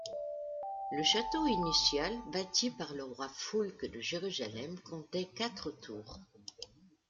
Le château initial, bâti par le roi Foulques de Jérusalem comptait quatre tours.